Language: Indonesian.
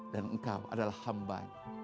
dan engkau adalah hamba